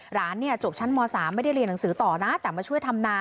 หลานเนี่ยจบชั้นม๓ไม่ได้เรียนหนังสือต่อนะแต่มาช่วยทำนา